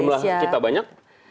karena jumlah kita banyak